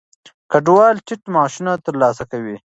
کډوال ټیټ معاشونه ترلاسه کوي.